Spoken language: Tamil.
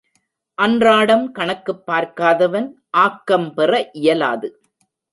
அன்றாடம் கணக்குப் பார்க்காதவன் ஆக்கம் பெற இயலாது.